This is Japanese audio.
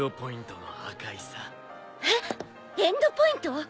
えっ？エンドポイント？